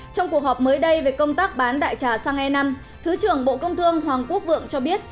trong cuộc họp mới đây về công tác bán đại trà xăng e năm thứ trưởng bộ công thương hoàng quốc vượng cho biết